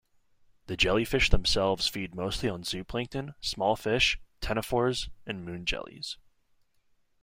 The jellyfish themselves feed mostly on zooplankton, small fish, ctenophores, and moon jellies.